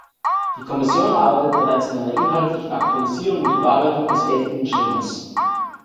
Die Kommission arbeitet bereits an einer inhaltlichen Aktualisierung und Überarbeitung des geltenden Schemas.